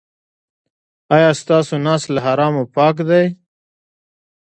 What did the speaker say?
ایا ستاسو نس له حرامو پاک دی؟